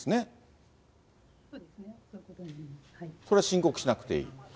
それは申告しなくていい。